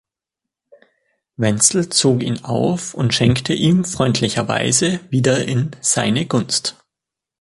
Wenzel zog ihn auf und schenkte ihm freundlicherweise wieder in seine Gunst.